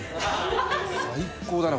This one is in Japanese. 最高だな